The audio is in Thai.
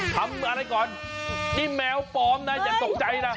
ทำอะไรก่อนนี่แมวปลอมนะอย่าตกใจนะ